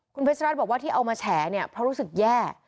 คุณเพชรรัฐบอกว่าที่เอามาแฉเนี่ยเพราะรู้สึกแย่